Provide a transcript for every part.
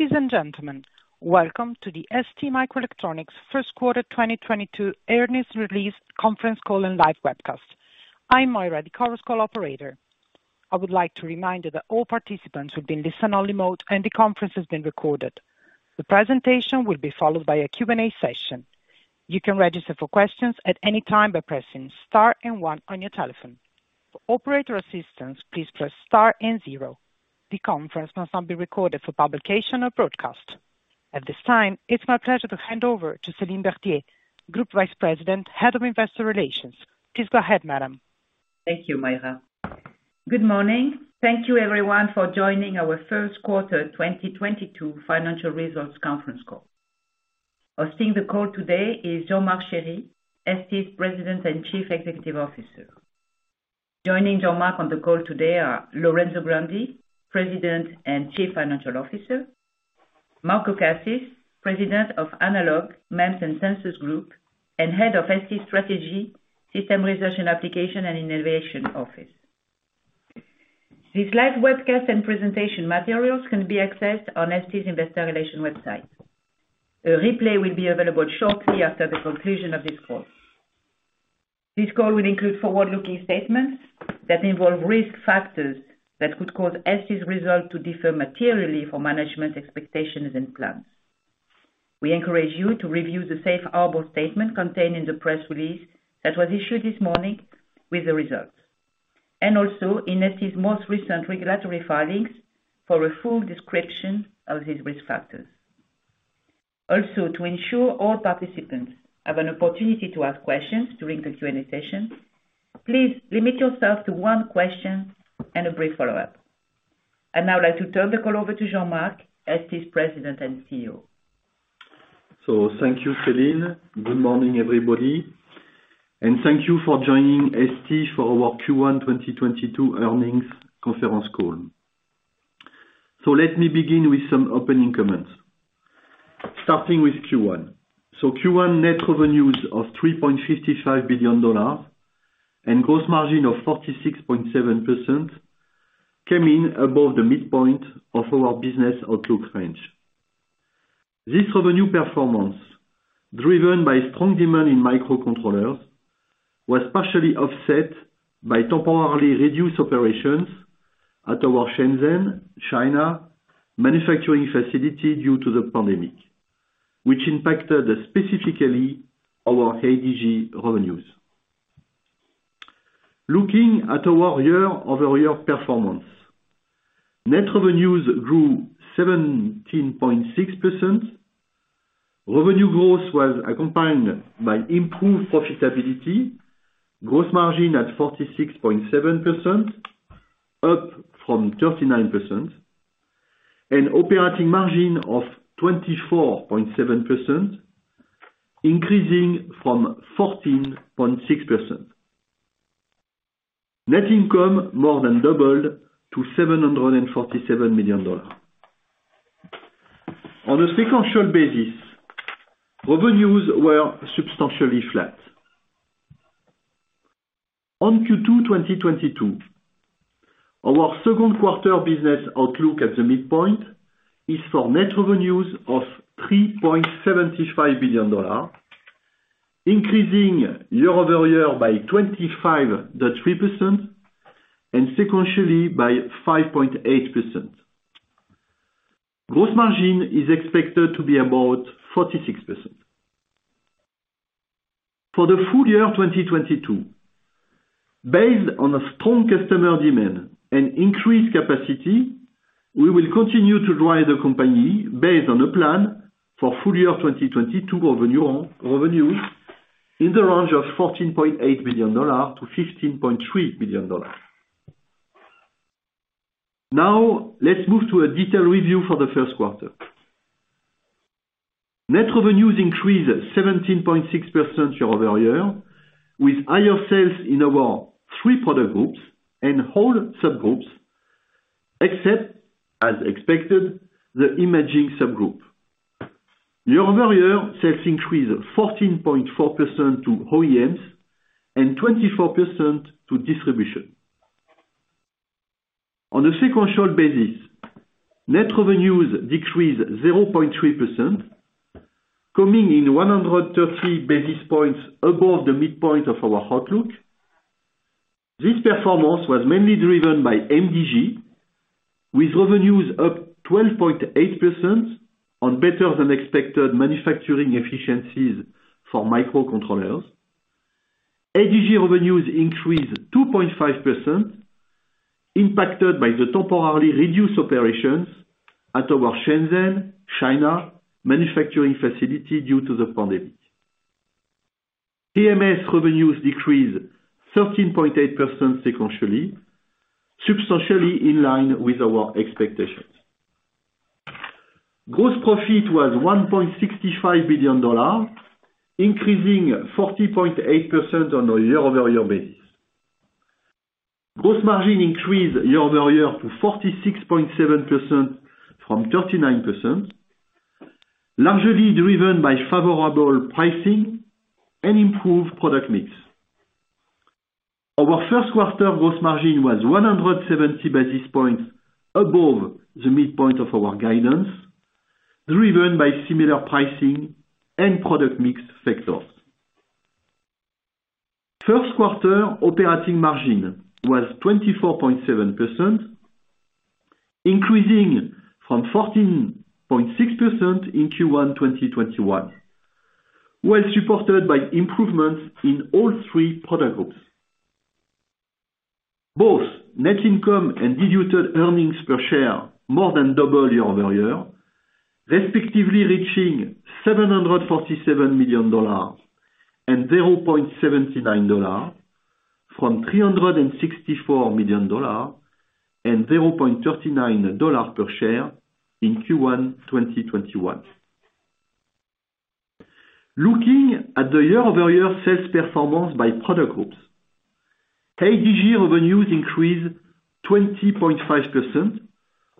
Ladies and gentlemen, welcome to the STMicroelectronics First Quarter 2022 Earnings Release Conference Call and Live Webcast. I'm Moira, the Chorus Call operator. I would like to remind you that all participants will be in listen-only mode, and the conference is being recorded. The presentation will be followed by a Q&A session. You can register for questions at any time by pressing star and one on your telephone. For operator assistance, please press star and zero. The conference must not be recorded for publication or broadcast. At this time, it's my pleasure to hand over to Céline Berthier, Group Vice President, Head of Investor Relations. Please go ahead, madam. Thank you, Moira. Good morning. Thank you everyone for joining our first quarter 2022 financial results conference call. Hosting the call today is Jean-Marc Chery, ST's President and Chief Executive Officer. Joining Jean-Marc on the call today are Lorenzo Grandi, President and Chief Financial Officer, Marco Cassis, President of Analog, MEMS and Sensors Group and Head of ST Strategy, System Research, and Application and Innovation Office. The live webcast and presentation materials can be accessed on ST's investor relations website. A replay will be available shortly after the conclusion of this call. This call will include forward-looking statements that involve risk factors that could cause ST's results to differ materially from management's expectations and plans. We encourage you to review the safe harbor statement contained in the press release that was issued this morning with the results, and also in ST's most recent regulatory filings for a full description of these risk factors. Also, to ensure all participants have an opportunity to ask questions during the Q&A session, please limit yourself to one question and a brief follow-up. I'd now like to turn the call over to Jean-Marc, ST's President and CEO. Thank you, Céline. Good morning, everybody, and thank you for joining ST for our Q1 2022 earnings conference call. Let me begin with some opening comments, starting with Q1. Q1 net revenues of $3.55 billion and gross margin of 46.7% came in above the midpoint of our business outlook range. This revenue performance, driven by strong demand in microcontrollers, was partially offset by temporarily reduced operations at our Shenzhen, China, manufacturing facility due to the pandemic, which impacted specifically our ADG revenues. Looking at our year-over-year performance, net revenues grew 17.6%. Revenue growth was accompanied by improved profitability, gross margin at 46.7%, up from 39%, and operating margin of 24.7%, increasing from 14.6%. Net income more than doubled to $747 million. On a sequential basis, revenues were substantially flat. On Q2 2022, our second quarter business outlook at the midpoint is for net revenues of $3.75 billion, increasing year-over-year by 25.3% and sequentially by 5.8%. Gross margin is expected to be about 46%. For the full-year 2022, based on a strong customer demand and increased capacity, we will continue to drive the company based on a plan for full-year 2022 revenues in the range of $14.8 billion-$15.3 billion. Now, let's move to a detailed review for the first quarter. Net revenues increased 17.6% year-over-year, with higher sales in our three product groups and all subgroups, except, as expected, the imaging subgroup. Year-over-year sales increased 14.4% to OEMs and 24% to distribution. On a sequential basis, net revenues decreased 0.3%, coming in 130 basis points above the midpoint of our outlook. This performance was mainly driven by MDG, with revenues up 12.8% on better than expected manufacturing efficiencies for microcontrollers. ADG revenues increased 2.5% impacted by the temporarily reduced operations at our Shenzhen, China, manufacturing facility due to the pandemic. PMS revenues decreased 13.8% sequentially, substantially in line with our expectations. Gross profit was $1.65 billion, increasing 40.8% on a year-over-year basis. Gross margin increased year-over-year to 46.7% from 39%, largely driven by favorable pricing and improved product mix. Our first quarter gross margin was 170 basis points above the midpoint of our guidance, driven by similar pricing and product mix factors. First quarter operating margin was 24.7%, increasing from 14.6% in Q1 2021, was supported by improvements in all three product groups. Both net income and diluted earnings per share more than doubled year-over-year, respectively reaching $747 million and $0.79 per share from $364 million and $0.39 per share in Q1 2021. Looking at the year-over-year sales performance by product groups, ADG revenues increased 20.5%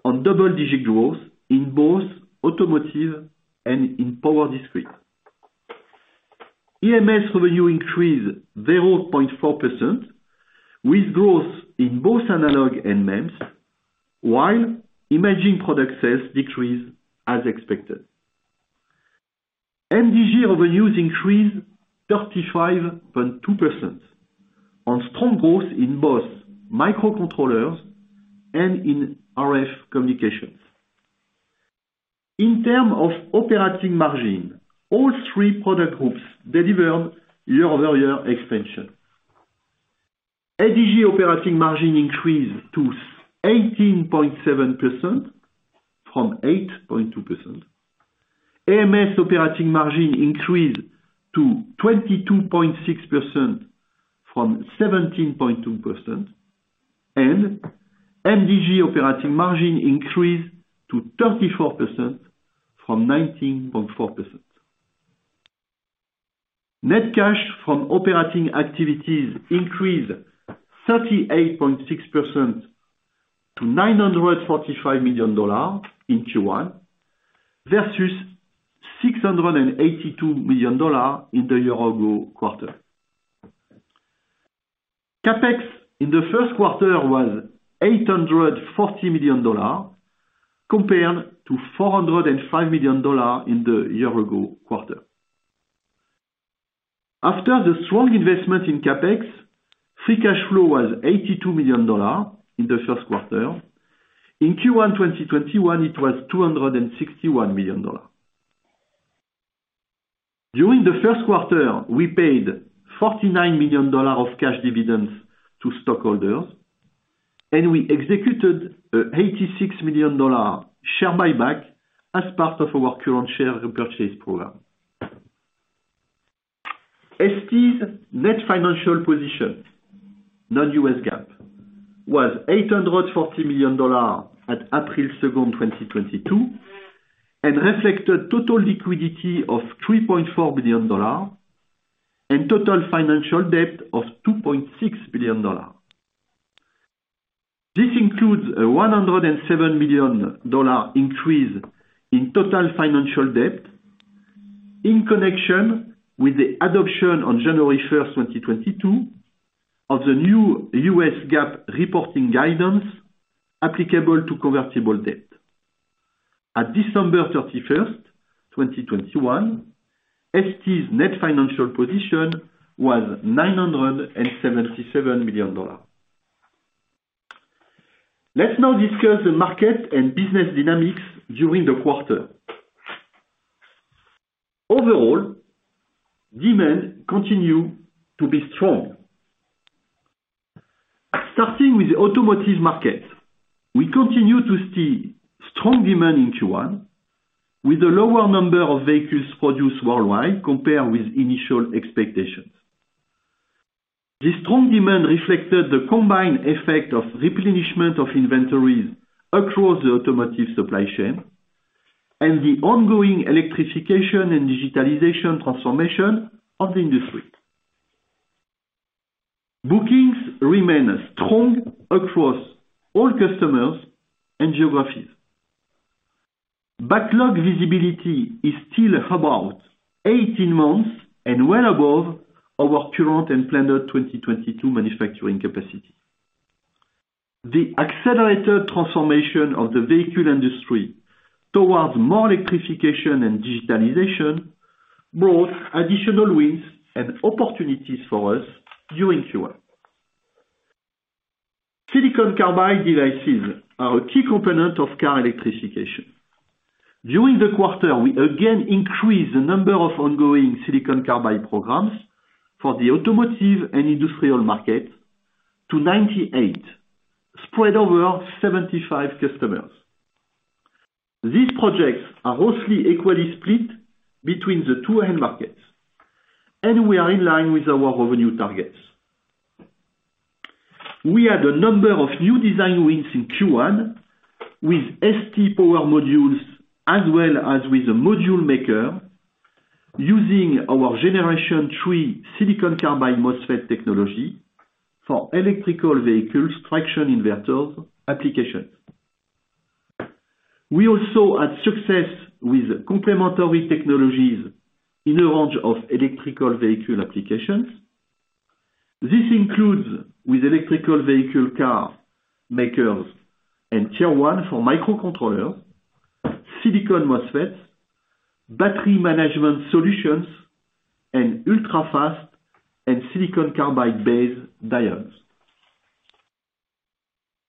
on double-digit growth in both automotive and in power discrete. AMS revenue increased 0.4% with growth in both analog and MEMS, while imaging product sales decreased as expected. MDG revenues increased 35.2% on strong growth in both microcontrollers and in RF communications. In terms of operating margin, all three product groups delivered year-over-year expansion. ADG operating margin increased to 18.7% from 8.2%. AMS operating margin increased to 22.6% from 17.2%, and MDG operating margin increased to 34% from 19.4%. Net cash from operating activities increased 38.6% to $945 million in Q1 versus $682 million in the year-ago quarter. CapEx in the first quarter was $840 million compared to $405 million in the year-ago quarter. After the strong investment in CapEx, free cash flow was $82 million in the first quarter. In Q1 2021, it was $261 million. During the first quarter, we paid $49 million of cash dividends to stockholders, and we executed $86 million share buyback as part of our current share repurchase program. ST's net financial position, non-U.S. GAAP, was $840 million at April 2nd, 2022, and reflected total liquidity of $3.4 billion and total financial debt of $2.6 billion. This includes a $107 million increase in total financial debt in connection with the adoption on January 1st, 2022 of the new U.S. GAAP reporting guidance applicable to convertible debt. At December 31st, 2021, ST's net financial position was $977 million. Let's now discuss the market and business dynamics during the quarter. Overall, demand continued to be strong. Starting with the automotive market, we continue to see strong demand in Q1 with a lower number of vehicles produced worldwide compared with initial expectations. This strong demand reflected the combined effect of replenishment of inventories across the automotive supply chain and the ongoing electrification and digitalization transformation of the industry. Bookings remain strong across all customers and geographies. Backlog visibility is still about 18 months and well above our current and planned 2022 manufacturing capacity. The accelerated transformation of the vehicle industry towards more electrification and digitalization brought additional wins and opportunities for us during Q1. Silicon carbide devices are a key component of car electrification. During the quarter, we again increased the number of ongoing silicon carbide programs for the automotive and industrial market to 98, spread over 75 customers. These projects are mostly equally split between the two end markets, and we are in line with our revenue targets. We had a number of new design wins in Q1 with ST power modules, as well as with the module maker using our generation three silicon carbide MOSFET technology for electric vehicle traction inverter applications. We also had success with complementary technologies in a range of electric vehicle applications. This includes with electric vehicle car makers and tier one for microcontrollers, silicon MOSFETs, battery management solutions, and ultra-fast and silicon carbide-based diodes.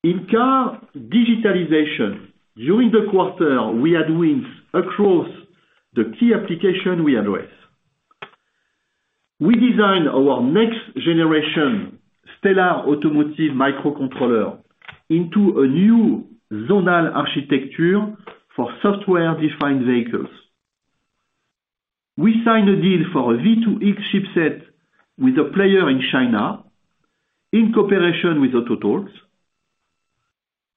In car digitalization, during the quarter, we had wins across the key application we address. We designed our next-generation Stellar automotive microcontroller into a new zonal architecture for software-defined vehicles. We signed a deal for a V2X chipset with a player in China in cooperation with Autotalks,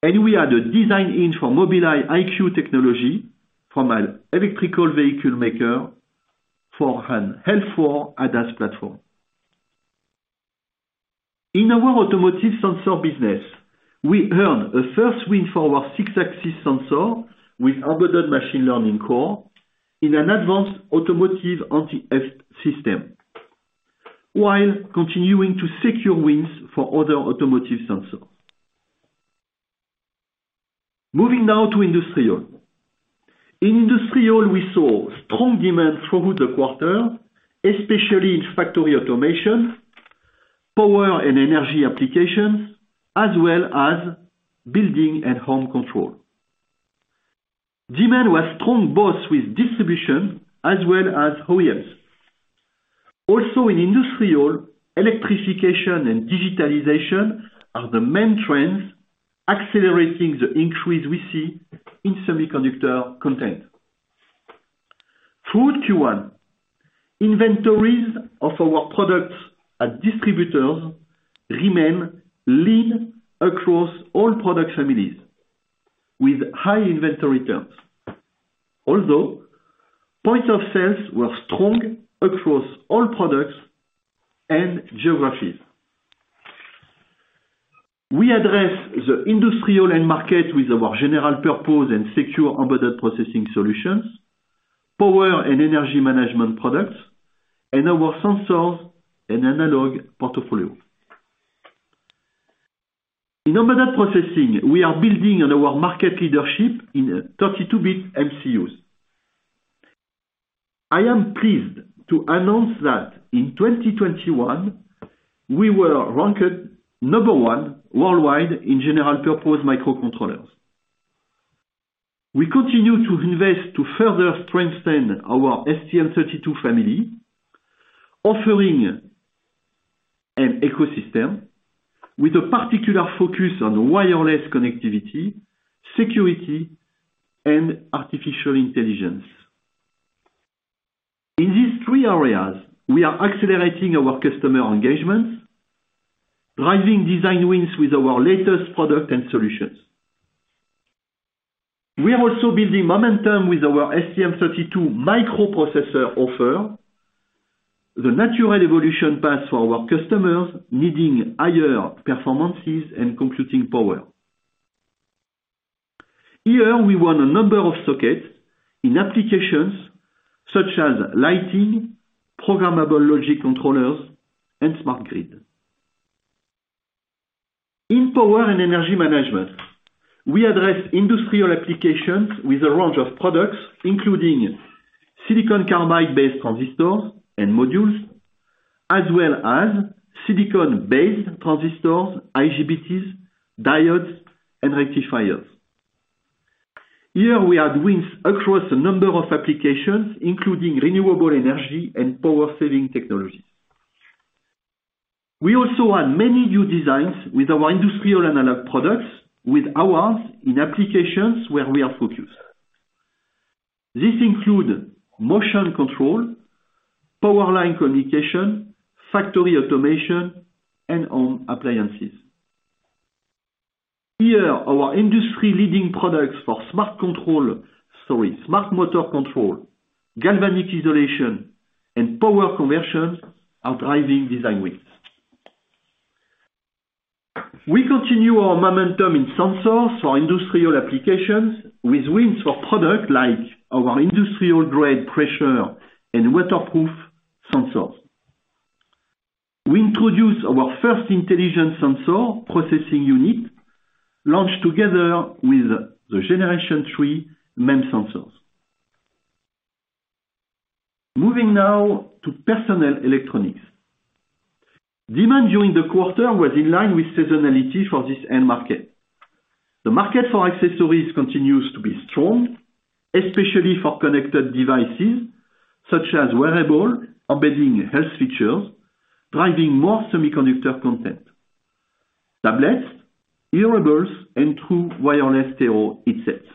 and we had a design win for Mobileye EyeQ technology from an electric vehicle maker for an L4 ADAS platform. In our automotive sensor business, we earned the first win for our 6-axis sensor with embedded machine learning core in an advanced automotive anti-theft system, while continuing to secure wins for other automotive sensors. Moving now to industrial. In industrial, we saw strong demand throughout the quarter, especially in factory automation, power and energy applications, as well as building and home control. Demand was strong both with distribution as well as OEMs. Also, in industrial, electrification and digitalization are the main trends, accelerating the increase we see in semiconductor content. Through Q1, inventories of our products at distributors remain lean across all product families, with high inventory turns. Although points of sale were strong across all products and geographies. We address the industrial end market with our general purpose and secure embedded processing solutions, power and energy management products, and our sensors and analog portfolio. In embedded processing, we are building on our market leadership in 32-bit MCUs. I am pleased to announce that in 2021, we were ranked No. 1 worldwide in general purpose microcontrollers. We continue to invest to further strengthen our STM32 family, offering an ecosystem with a particular focus on wireless connectivity, security, and artificial intelligence. In these three areas, we are accelerating our customer engagements, driving design wins with our latest product and solutions. We are also building momentum with our STM32 microprocessor offer, the natural evolution path for our customers needing higher performances and computing power. Here, we won a number of sockets in applications such as lighting, programmable logic controllers, and smart grid. In power and energy management, we address industrial applications with a range of products, including silicon carbide-based transistors and modules, as well as silicon-based transistors, IGBTs, diodes, and rectifiers. Here, we had wins across a number of applications, including renewable energy and power-saving technologies. We also had many new designs with our industrial analog products with awards in applications where we are focused. This include motion control, power line communication, factory automation, and home appliances. Here, our industry-leading products for smart motor control, galvanic isolation, and power conversions are driving design wins. We continue our momentum in sensors for industrial applications with wins for product like our industrial-grade pressure and waterproof sensors. We introduced our first intelligent sensor processing unit, launched together with the generation three MEMS sensors. Moving now to personal electronics. Demand during the quarter was in line with seasonality for this end market. The market for accessories continues to be strong, especially for connected devices such as wearables embedding health features driving more semiconductor content, tablets, hearables, and true wireless stereo headsets.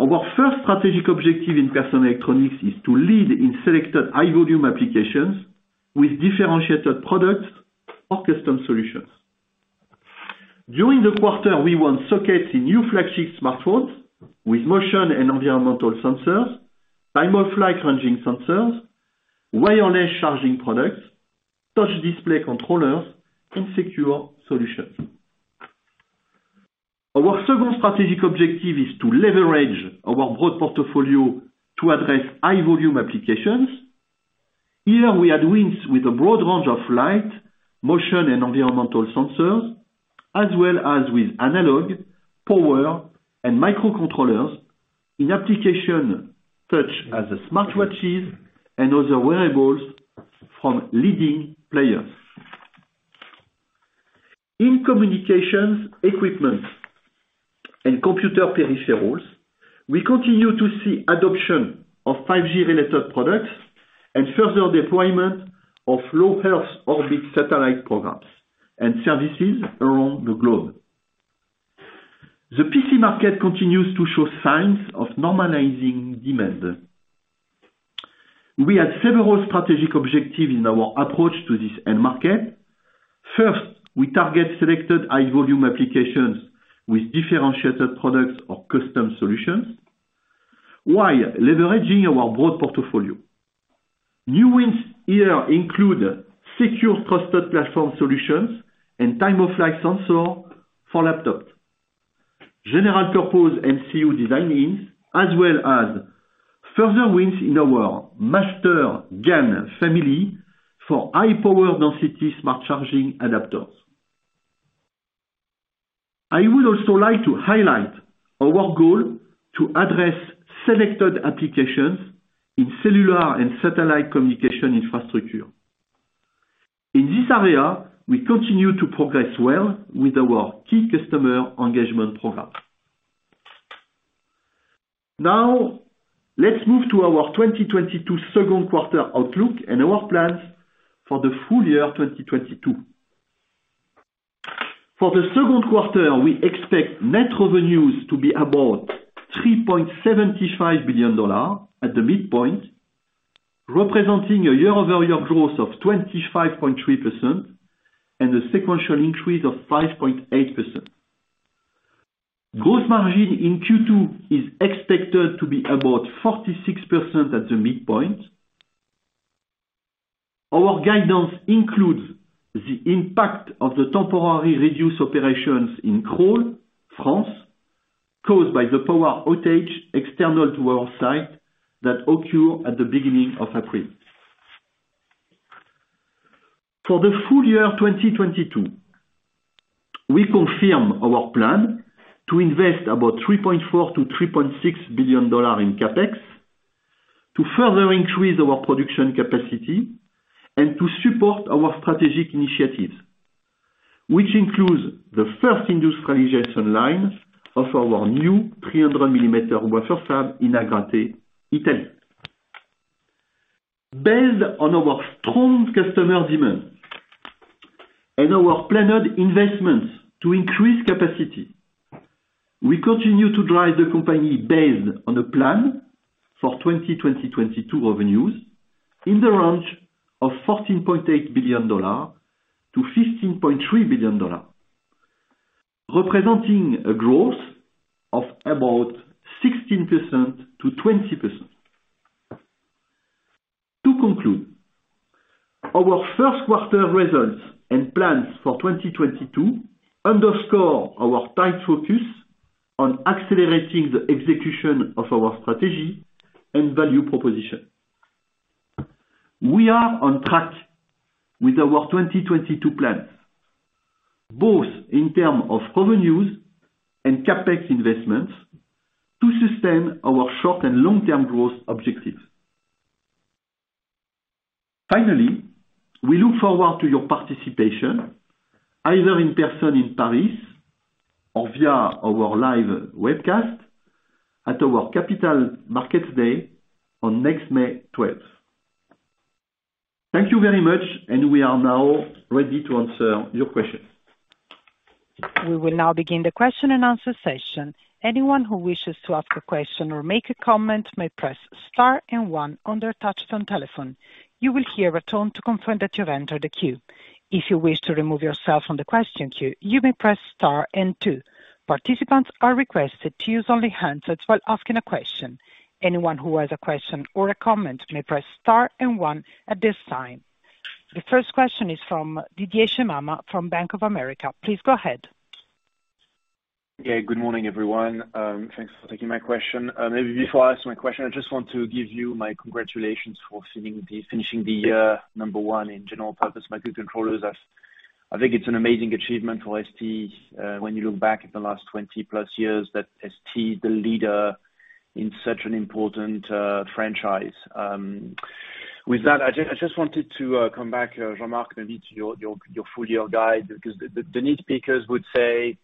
Our first strategic objective in personal electronics is to lead in selected high volume applications with differentiated products or custom solutions. During the quarter, we won sockets in new flagship smartphones with motion and environmental sensors, time-of-flight ranging sensors, wireless charging products, touch display controllers, and secure solutions. Our second strategic objective is to leverage our broad portfolio to address high volume applications. Here we had wins with a broad range of light, motion, and environmental sensors, as well as with analog, power, and microcontrollers in applications such as smartwatches and other wearables from leading players. In communications equipment and computer peripherals, we continue to see adoption of 5G related products and further deployment of low-Earth orbit satellite programs and services around the globe. The PC market continues to show signs of normalizing demand. We had several strategic objectives in our approach to this end market. First, we target selected high volume applications with differentiated products or custom solutions, while leveraging our broad portfolio. New wins here include secure trusted platform solutions and time-of-flight sensor for laptop, general purpose MCU design-ins, as well as further wins in our MasterGaN family for high power density smart charging adapters. I would also like to highlight our goal to address selected applications in cellular and satellite communication infrastructure. In this area, we continue to progress well with our key customer engagement programs. Now, let's move to our 2022 second quarter outlook and our plans for the full-year 2022. For the second quarter, we expect net revenues to be about $3.75 billion at the midpoint, representing a year-over-year growth of 25.3% and a sequential increase of 5.8%. Gross margin in Q2 is expected to be about 46% at the midpoint. Our guidance includes the impact of the temporary reduced operations in Crolles, France, caused by the power outage external to our site that occur at the beginning of April. For the full-year 2022, we confirm our plan to invest about $3.4 billion-$3.6 billion in CapEx to further increase our production capacity and to support our strategic initiatives, which includes the first industrialization lines of our new 300 mm wafer fab in Agrate, Italy. Based on our strong customer demand and our planned investments to increase capacity, we continue to drive the company based on the plan for 2022 revenues in the range of $14.8 billion-$15.3 billion, representing a growth of about 16%-20%. To conclude, our first quarter results and plans for 2022 underscore our tight focus on accelerating the execution of our strategy and value proposition. We are on track with our 2022 plans, both in terms of revenues and CapEx investments, to sustain our short and long term growth objectives. Finally, we look forward to your participation either in person in Paris or via our live webcast at our Capital Markets Day on next May 12th. Thank you very much, and we are now ready to answer your questions. We will now begin the question-and-answer session. Anyone who wishes to ask a question or make a comment may press star and one on their touch-tone telephone. You will hear a tone to confirm that you've entered the queue. If you wish to remove yourself from the question queue, you may press star and two. Participants are requested to use only handsets while asking a question. Anyone who has a question or a comment may press star and one at this time. The first question is from Didier Scemama from Bank of America. Please go ahead. Good morning, everyone. Thanks for taking my question. Maybe before I ask my question, I just want to give you my congratulations for finishing the year number one in general purpose microcontrollers. I think it's an amazing achievement for ST, when you look back at the last 20+ years, that ST is the leader in such an important franchise. With that, I just wanted to come back, Jean-Marc, maybe to your full-year guide, because the naysayers would say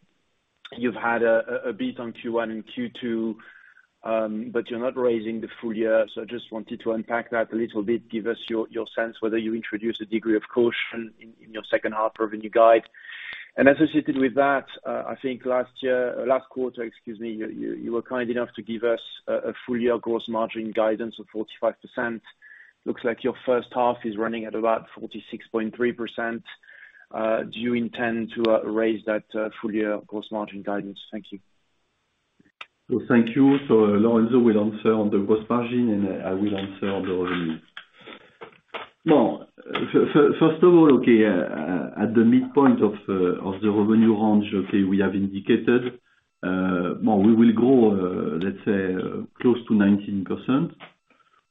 you've had a beat on Q1 and Q2, but you're not raising the full year. Just wanted to unpack that a little bit. Give us your sense whether you introduced a degree of caution in your second half revenue guide. Associated with that, I think last quarter, excuse me, you were kind enough to give us a full-year gross margin guidance of 45%. Looks like your first half is running at about 46.3%. Do you intend to raise that full-year gross margin guidance? Thank you. Thank you. Lorenzo will answer on the gross margin, and I will answer on the revenue. No, first of all, at the midpoint of the revenue range, we have indicated, well, we will grow, let's say close to 19%.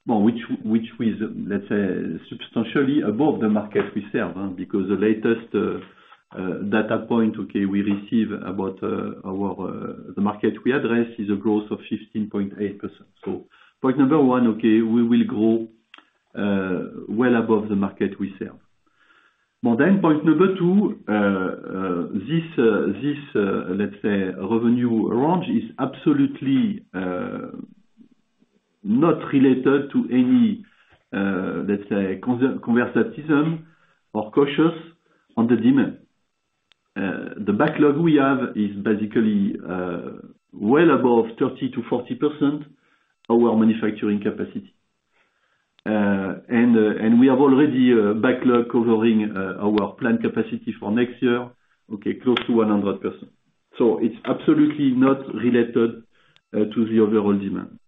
Well, which we let's say substantially above the market we serve, because the latest data point we received, the market we address is a growth of 15.8%. Point number one, we will grow well above the market we serve. Well then, point number two, this let's say revenue range is absolutely not related to any let's say conservatism or caution on the demand. The backlog we have is basically well above 30%-40% our manufacturing capacity. We have already backlog covering our plant capacity for next year, okay, close to 100%. It's absolutely not related to the overall demand.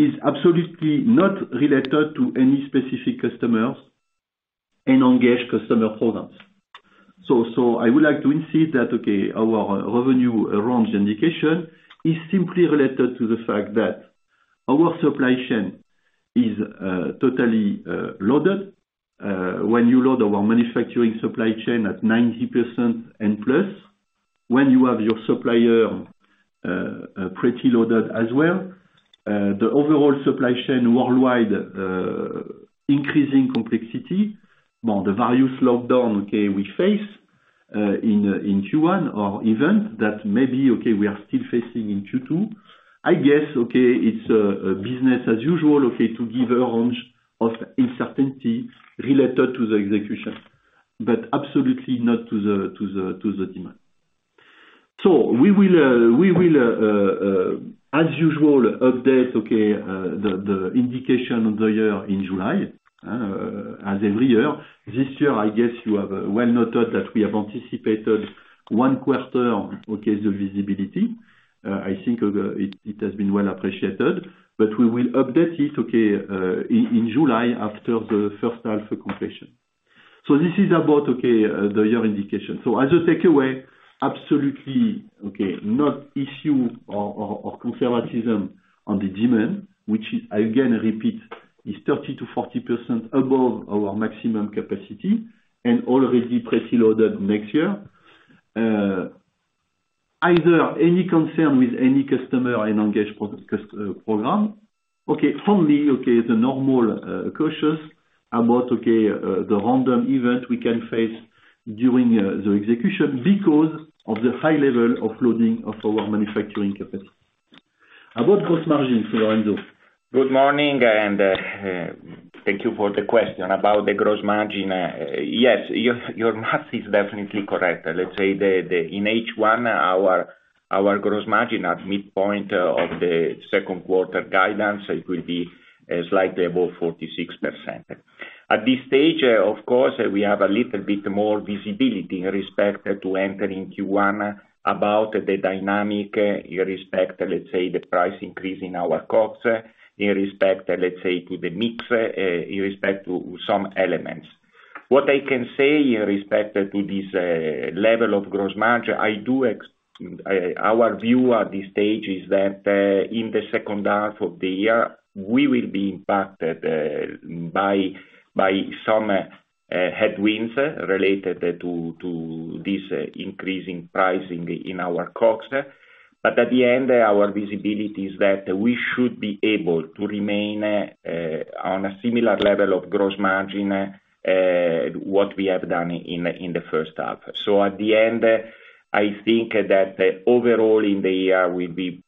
It's absolutely not related to any specific customers and engage customer products. I would like to insist that, okay, our revenue range indication is simply related to the fact that our supply chain is totally loaded. When you load our manufacturing supply chain at 90%+, when you have your supplier pretty loaded as well, the overall supply chain worldwide increasing complexity. Well, the various lockdown we face in Q1 or even that maybe we are still facing in Q2, I guess, it's a business as usual to give a range of uncertainty related to the execution, but absolutely not to the demand. We will as usual update the indication of the year in July as every year. This year, I guess you have well noted that we have anticipated one quarter the visibility. I think it has been well appreciated, but we will update it in July after the first half completion. This is about the year indication. As a takeaway, absolutely not issue or conservatism on the demand. Which is, again, I repeat, 30%-40% above our maximum capacity and already preloaded next year. Is there any concern with any customer engagement program? Okay. For me, normally cautious about the random event we can face during the execution because of the high level of loading of our manufacturing capacity. About gross margin for Lorenzo. Good morning, thank you for the question. About the gross margin, yes, your math is definitely correct. Let's say in H1, our gross margin at midpoint of the second quarter guidance, it will be slightly above 46%. At this stage, of course, we have a little bit more visibility in respect to entering Q1 about the dynamic in respect to, let's say, the price increase in our COGS, in respect, let's say, to the mix, in respect to some elements. What I can say in respect to this level of gross margin, our view at this stage is that, in the second half of the year, we will be impacted by some headwinds related to this increasing pricing in our COGS. At the end, our visibility is that we should be able to remain on a similar level of gross margin what we have done in the first half. I think that overall in the year will be,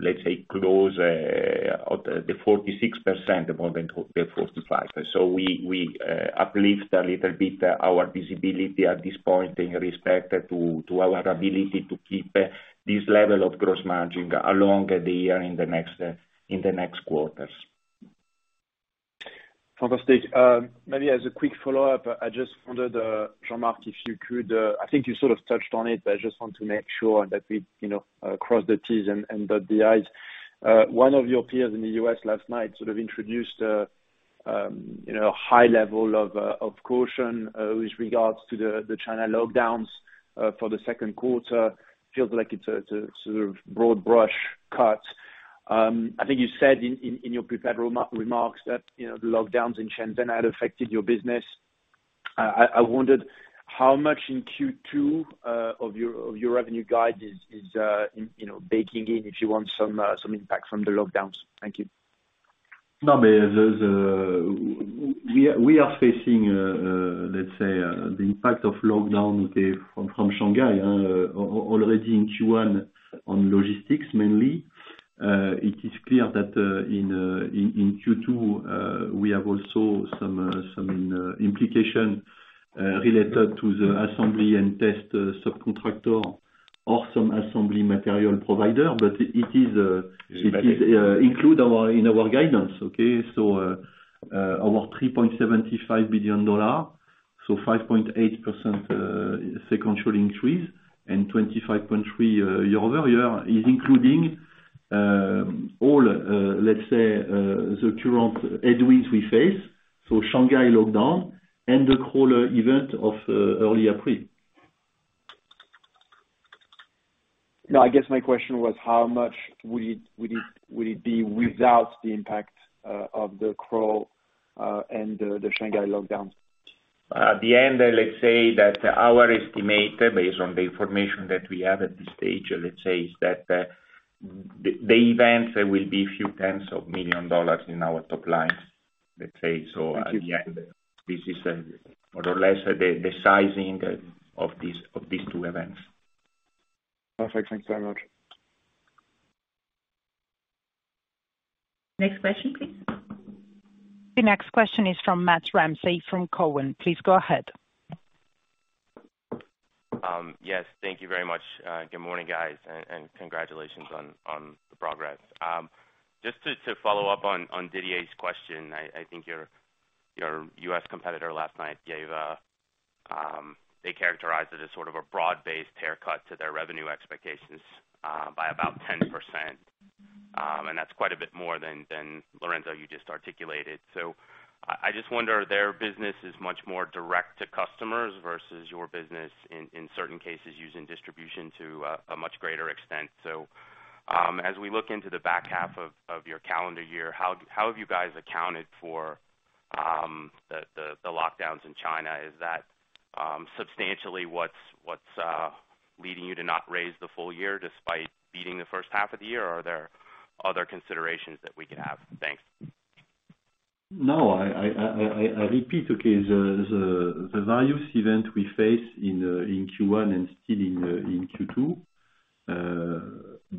let's say, close to the 46% more than the 45%. We uplift a little bit our visibility at this point in respect to our ability to keep this level of gross margin along the year in the next quarters. Fantastic. Maybe as a quick follow-up, I just wondered, Jean-Marc, if you could. I think you sort of touched on it, but I just want to make sure that we, you know, cross the t's and dot the i's. One of your peers in the U.S. last night sort of introduced a, you know, a high level of caution with regards to the China lockdowns for the second quarter. Feels like it's a sort of broad brush cut. I think you said in your prepared remarks that, you know, the lockdowns in Shenzhen had affected your business. I wondered how much in Q2 of your revenue guide is, you know, baking in, if you want, some impact from the lockdowns. Thank you. No, but we are facing, let's say, the impact of lockdown, okay, from Shanghai, already in Q1 on logistics mainly. It is clear that in Q2 we have also some implication related to the assembly and test subcontractor or some assembly material provider. It is included in our guidance, okay? Our $3.75 billion, 5.8% sequential increase and 25.3% year-over-year is including all, let's say, the current headwinds we face, so Shanghai lockdown and the Crolles event of early April. No, I guess my question was how much would it be without the impact of the Crolles and the Shanghai lockdown? At the end, let's say that our estimate based on the information that we have at this stage, let's say, is that the events will be a few tens of million dollar in our top line, let's say. At the end, this is more or less the sizing of these two events. Perfect. Thanks very much. Next question, please. The next question is from Matt Ramsay from Cowen. Please go ahead. Yes, thank you very much. Good morning, guys, and congratulations on the progress. Just to follow up on Didier's question. I think your U.S. competitor last night gave they characterized it as sort of a broad-based haircut to their revenue expectations by about 10%. That's quite a bit more than Lorenzo, you just articulated. I just wonder, their business is much more direct to customers versus your business in certain cases using distribution to a much greater extent. As we look into the back half of your calendar year, how have you guys accounted for the lockdowns in China? Is that substantially what's leading you to not raise the full year despite beating the first half of the year? Are there other considerations that we could have? Thanks. No. I repeat, okay, the various events we face in Q1 and still in Q2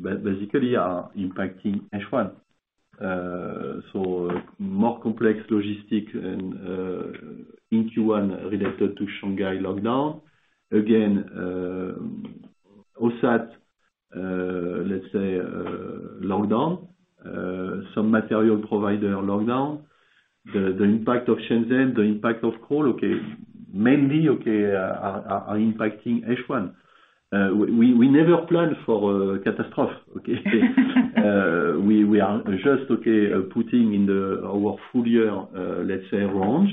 basically are impacting H1. More complex logistics and in Q1 related to Shanghai lockdown. Again, OSAT, let's say, lockdown. Some material provider lockdown. The impact of Shenzhen, the impact of Crolles, okay, mainly, okay, are impacting H1. We never planned for catastrophe. We are just, okay, putting in our full year, let's say range.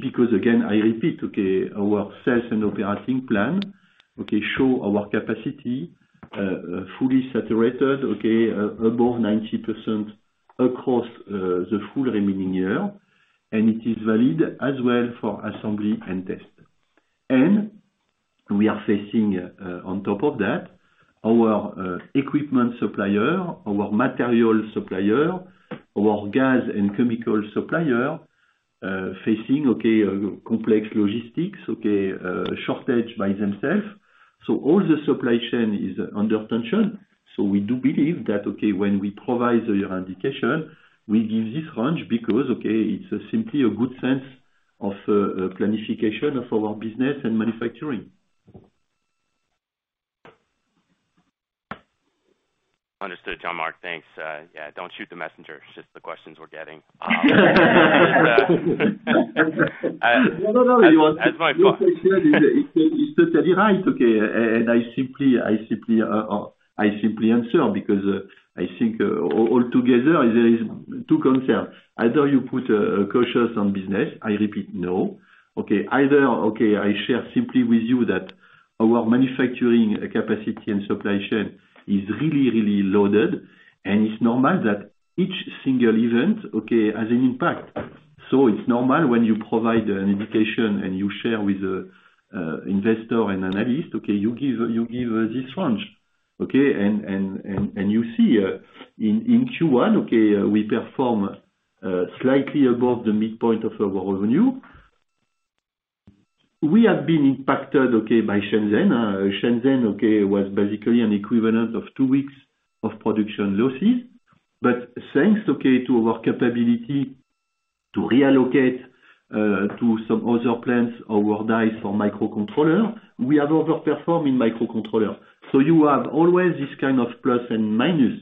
Because again, I repeat, okay, our sales and operating plan, okay, shows our capacity fully saturated, okay, above 90% across the full remaining year. It is valid as well for assembly and test. We are facing, on top of that, our equipment supplier, our material supplier, our gas and chemical supplier, complex logistics, shortage by themselves. All the supply chain is under tension. We do believe that, when we provide your indication, we give this range because, it's simply a good sense of planification of our business and manufacturing. Understood, Jean-Marc. Thanks. Yeah, don't shoot the messenger. It's just the questions we're getting. That's my point. It's totally right. I simply answer because I think altogether there is two concern. Either you put a caution on business. I repeat no. I share simply with you that our manufacturing capacity and supply chain is really loaded, and it's normal that each single event has an impact. It's normal when you provide an indication and you share with investor and analyst, you give this range. You see in Q1 we perform slightly above the midpoint of our revenue. We have been impacted by Shenzhen. Shenzhen was basically an equivalent of two weeks of production losses. Thanks to our capability to reallocate to some other plants our dies for microcontroller, we have overperformed in microcontroller. You have always this kind of plus and minus,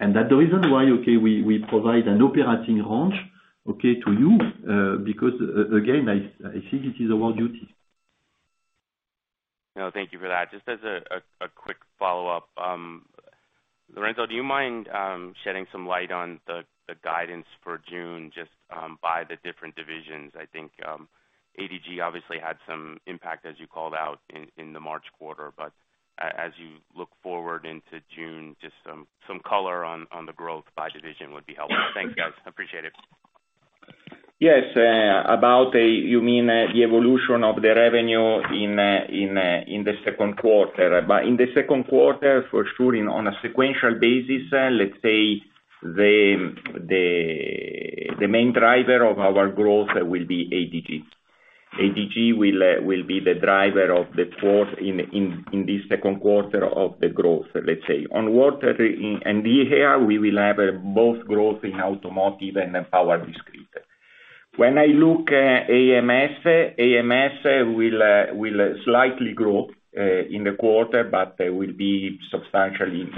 and that's the reason why, okay, we provide an operating range, okay, to you, because again, I think this is our duty. No, thank you for that. Just as a quick follow-up, Lorenzo, do you mind shedding some light on the guidance for June just by the different divisions? I think ADG obviously had some impact, as you called out in the March quarter. As you look forward into June, just some color on the growth by division would be helpful. Thank you. Appreciate it. Yes. About you mean the evolution of the revenue in the second quarter. In the second quarter, for sure, on a sequential basis, let's say the main driver of our growth will be ADG. ADG will be the driver of the growth in this second quarter of the growth, let's say. In ADG, and here we will have both growth in automotive and power discrete. When I look at AMS will slightly grow in the quarter, but will be substantially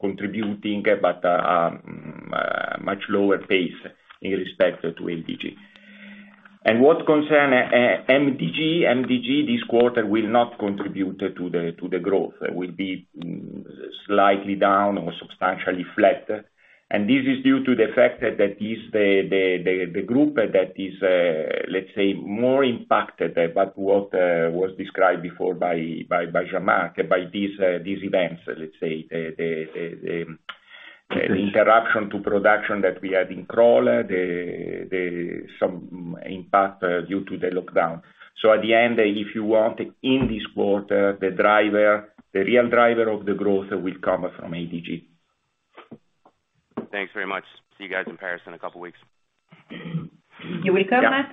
contributing, but much lower pace in respect to ADG. What concerns MDG this quarter will not contribute to the growth. It will be slightly down or substantially flat. This is due to the fact that that is the group that is, let's say, more impacted by what was described before by Jean-Marc, by these events, let's say, the interruption to production that we had in Crolles, some impact due to the lockdown. At the end, if you want, in this quarter, the real driver of the growth will come from ADG. Thanks very much. See you guys in Paris in a couple of weeks. You're welcome, Matt.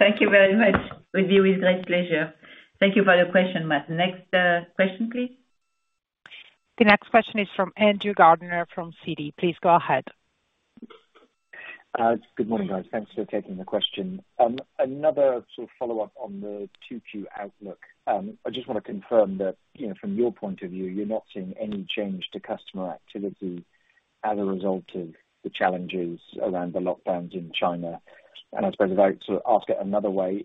Thank you very much. Will be with great pleasure. Thank you for your question, Matt. Next, question, please. The next question is from Andrew Gardiner from Citi. Please go ahead. Good morning, guys. Thanks for taking the question. Another sort of follow-up on the 2Q outlook. I just wanna confirm that, you know, from your point of view, you're not seeing any change to customer activity as a result of the challenges around the lockdowns in China. I suppose I'd sort of ask it another way,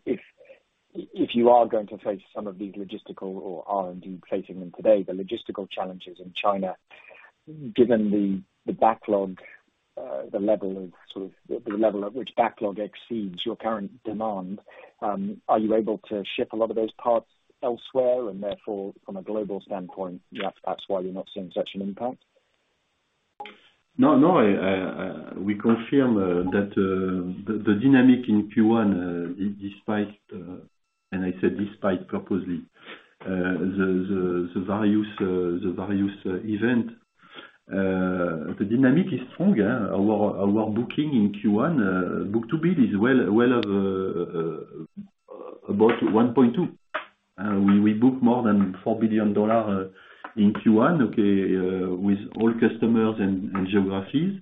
if you are going to face some of these logistical or are indeed facing them today, the logistical challenges in China, given the backlog, the level at which backlog exceeds your current demand, are you able to ship a lot of those parts elsewhere and therefore from a global standpoint that's why you're not seeing such an impact? No, no. We confirm that the dynamic in Q1, despite, and I said despite purposely, the various events. The dynamic is strong. Our booking in Q1, book-to-bill is well above about 1.2x. We book more than $4 billion in Q1, okay, with all customers and geographies.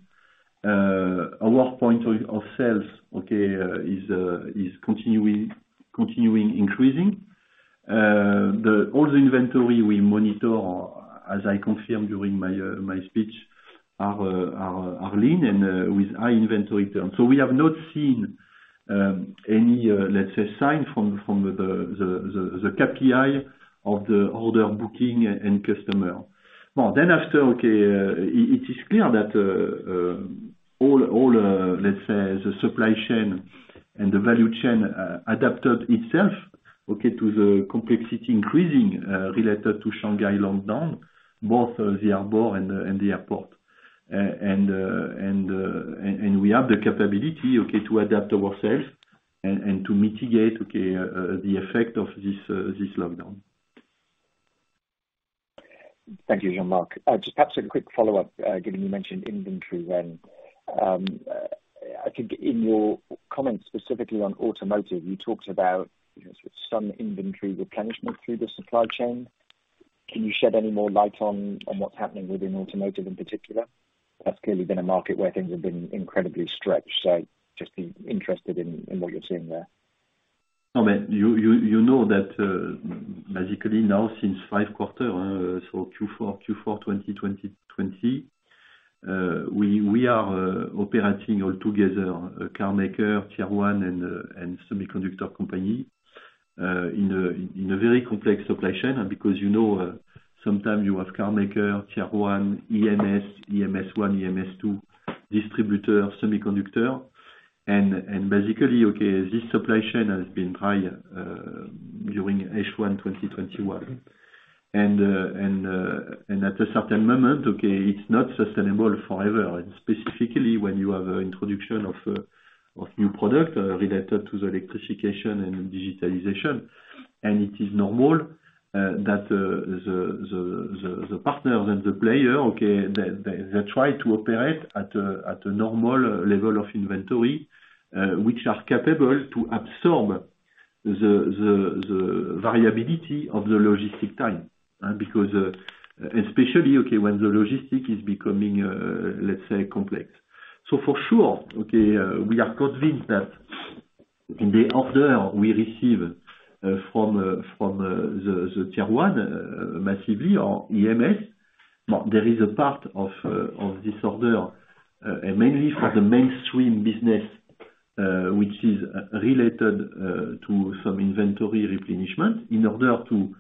Our point of sales is continuing increasing. All the inventory we monitor as I confirm during my speech are lean and with high inventory turns. So we have not seen any, let's say, sign from the KPIs of the order booking and customer. Well, after it is clear that all let's say the supply chain and the value chain adapted itself to the complexity increasing related to Shanghai lockdown both the harbor and the airport. We have the capability to adapt ourselves and to mitigate the effect of this lockdown. Thank you, Jean-Marc. Just perhaps a quick follow-up, given you mentioned inventory then. I think in your comments specifically on automotive, you talked about, you know, some inventory replenishment through the supply chain. Can you shed any more light on what's happening within automotive in particular? That's clearly been a market where things have been incredibly stretched, so just be interested in what you're seeing there. No, but you know that basically now since five quarters, so Q4 2020, we are operating all together a car maker, tier one and semiconductor company in a very complex supply chain. Because you know, sometimes you have car maker, tier one, EMS 1, EMS 2, distributor, semiconductor. Basically, this supply chain has been tight during H1 2021. At a certain moment, it's not sustainable forever. Specifically when you have an introduction of new product related to the electrification and digitalization, it is normal that the partners and the player, they try to operate at a normal level of inventory which are capable to absorb the variability of the logistics time. Because especially when the logistics is becoming, let's say, complex. For sure we are convinced that in the order we receive from the Tier 1 massively or EMS, there is a part of this order mainly for the mainstream business which is related to some inventory replenishment in order to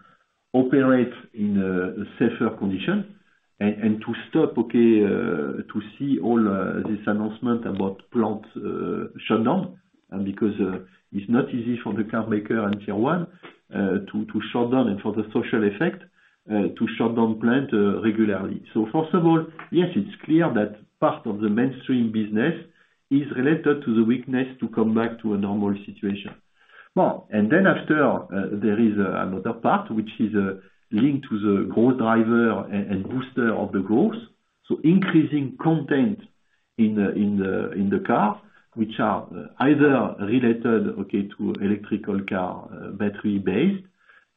operate in a safer condition and to stop to see all this announcement about plant shutdown. Because it's not easy for the car maker and tier one to shut down and for the social effect to shut down plant regularly. First of all, yes, it's clear that part of the mainstream business is related to the weakness to come back to a normal situation. Well, then after, there is another part which is linked to the growth driver and booster of the growth. Increasing content in the car, which are either related, okay, to electric car, battery based,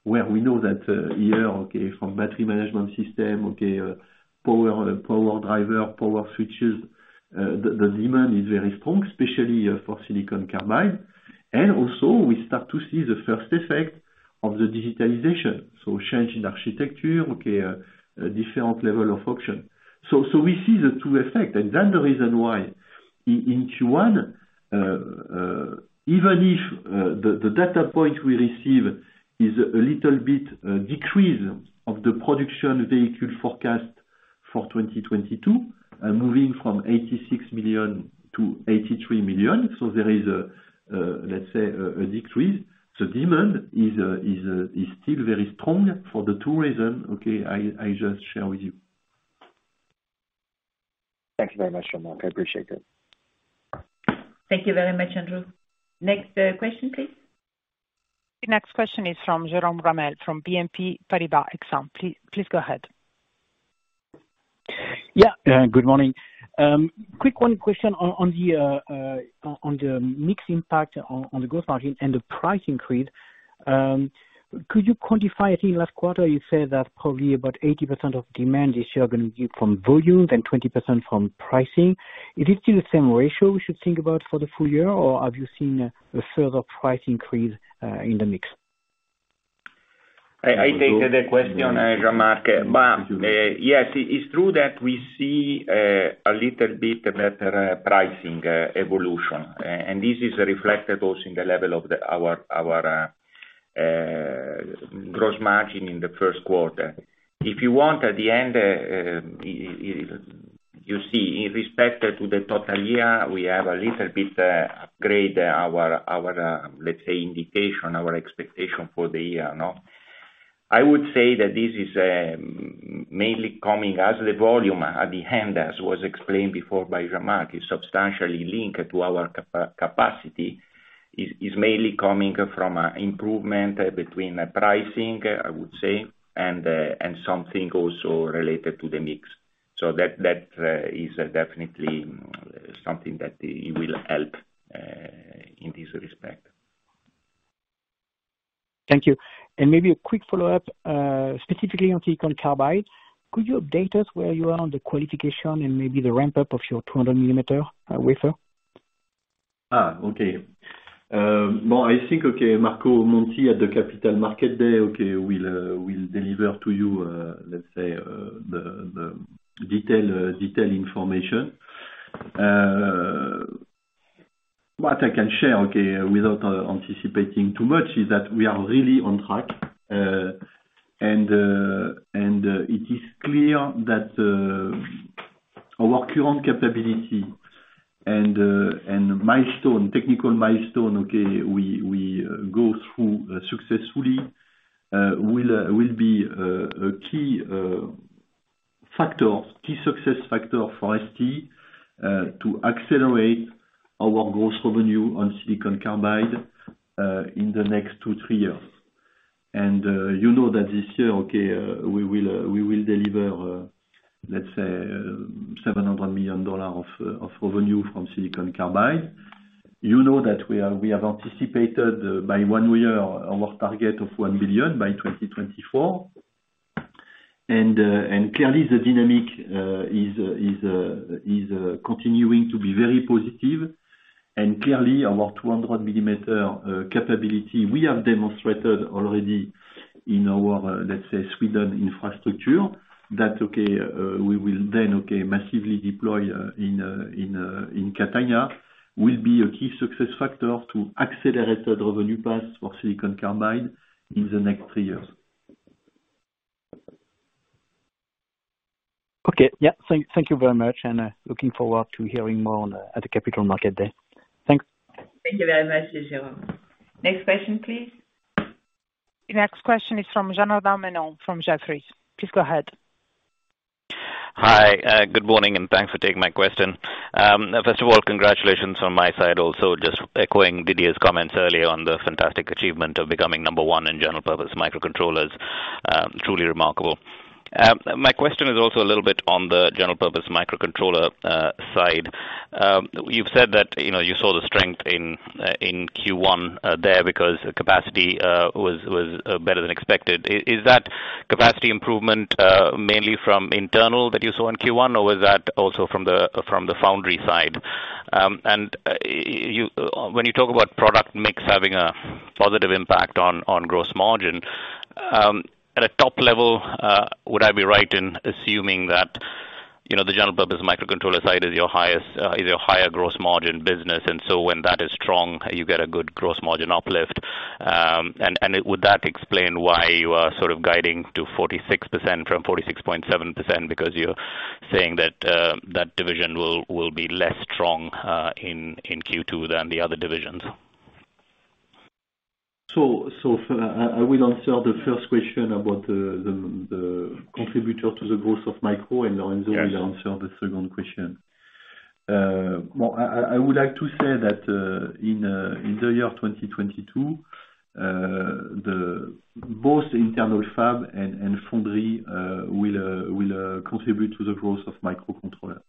where we know that, here, okay, from battery management system, okay, power driver, power switches, the demand is very strong, especially for silicon carbide. Also we start to see the first effect of the digitalization, so change in architecture, okay, a different level of function. We see the two effects, and then the reason why in Q1, even if the data point we receive is a little bit decrease of the production vehicle forecast for 2022, moving from 86 million to 83 million. There is a, let's say, a decrease. The demand is still very strong for the two reasons, okay, I just shared with you. Thanks very much, Jean-Marc. I appreciate that. Thank you very much, Andrew. Next, question, please. The next question is from Jerome Ramel from Exane BNP Paribas. Please go ahead. Good morning. Quick one question on the mix impact on the gross margin and the price increase. Could you quantify it? In last quarter you said that probably about 80% of demand this year are gonna be from volume and 20% from pricing. Is it still the same ratio we should think about for the full year, or have you seen a further price increase in the mix? I take the question, Jerome. Yes, it's true that we see a little bit better pricing evolution. This is reflected also in the level of our gross margin in the first quarter. If you want, at the end, you see, in respect to the total year, we have a little bit upgrade our let's say indication, our expectation for the year, you know? I would say that this is mainly coming as the volume at the end, as was explained before by Jean-Marc, is substantially linked to our capacity. Is mainly coming from an improvement between pricing, I would say, and something also related to the mix. That is definitely something that it will help in this respect. Thank you. Maybe a quick follow-up, specifically on silicon carbide. Could you update us where you are on the qualification and maybe the ramp up of your 200 mm wafer? Well, I think Marco Monti at the Capital Markets Day will deliver to you, let's say, the detailed information. What I can share without anticipating too much is that we are really on track. It is clear that our current capability and technical milestone we go through successfully will be a key success factor for ST to accelerate our gross revenue on silicon carbide in the next two, three years. You know that this year we will deliver, let's say, $700 million of revenue from silicon carbide. You know that we have anticipated by one year our target of $1 billion by 2024. Clearly the dynamic is continuing to be very positive. Clearly our 200 mm capability we have demonstrated already in our, let's say, Sweden infrastructure. That we will then massively deploy in Catania will be a key success factor to accelerated revenue path for silicon carbide in the next three years. Okay. Yeah. Thank you very much, and looking forward to hearing more at the Capital Markets Day. Thanks. Thank you very much, Jerome. Next question, please. The next question is from Janardan Menon from Jefferies. Please go ahead. Hi, good morning, and thanks for taking my question. First of all, congratulations from my side also just echoing Didier's comments earlier on the fantastic achievement of becoming number one in general purpose microcontrollers. Truly remarkable. My question is also a little bit on the general purpose microcontroller side. You've said that, you know, you saw the strength in Q1 there because capacity was better than expected. Is that capacity improvement mainly from internal that you saw in Q1, or was that also from the foundry side? When you talk about product mix having a positive impact on gross margin, at a top level, would I be right in assuming that, you know, the general purpose microcontroller side is your highest, is your higher gross margin business, and so when that is strong, you get a good gross margin uplift? Would that explain why you are sort of guiding to 46% from 46.7% because you're saying that that division will be less strong in Q2 than the other divisions? I will answer the first question about the contributor to the growth of micro, and Lorenzo will answer the second question. Well, I would like to say that in the year 2022, both internal fab and foundry will contribute to the growth of microcontroller.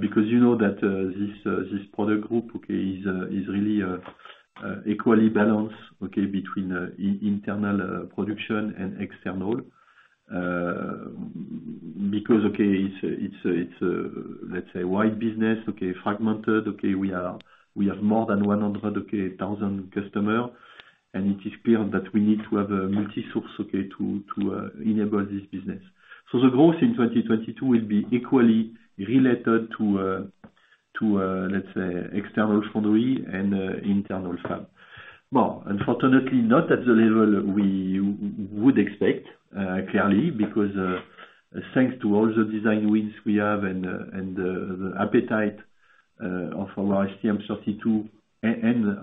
Because you know that this product group is really equally balanced between internal production and external. Because it's a, let's say, wide business, fragmented, we have more than 100,000 customers, and it is clear that we need to have a multi-source to enable this business. The growth in 2022 will be equally related to, let's say, external foundry and internal fab. Well, unfortunately not at the level we would expect, clearly, because thanks to all the design wins we have and the appetite of our STM32 and